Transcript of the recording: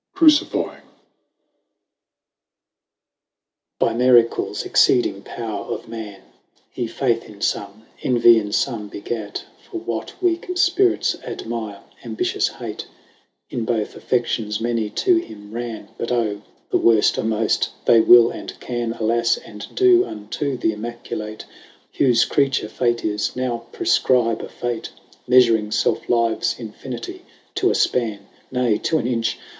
CRVCIFYING. 5. By miracles exceeding power of 'man , Hee faith in fome, envie in fome begat, For, what weake fpirits admire, ambitious, hate ; In both affections many to him ran, But Oh ! the worft are moft, they will and can, 5 Alas, and do, unto the immaculate, Whofe creature Fate is, now prefcribe a Fate, Meafuring felfe lifes infinity to'a fpan, Nay to an inch.